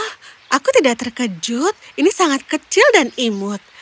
karena aku tidak terkejut ini sangat kecil dan imut